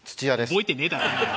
覚えてねえだろ！